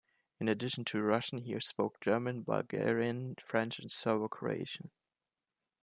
In addition to Russian, he spoke German, Bulgarian, French and Serbo-Croatian.